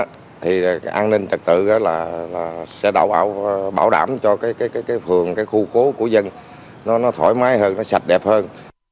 cái an ninh trật tự đó là sẽ bảo đảm cho cái phường cái khu cố của dân nó thoải mái hơn nó sạch đẹp hơn